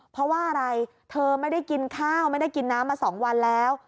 เพราะว่าอะไรเธอไม่ได้กินข้าวไม่ได้กินน้ำมา๒วันแล้ว